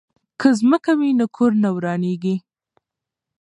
که ځمکه وي نو کور نه ورانیږي.